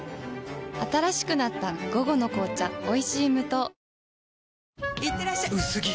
新しくなった「午後の紅茶おいしい無糖」いってらっしゃ薄着！